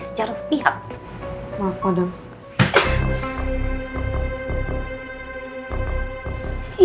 seperti pemilik medis yang belajar saja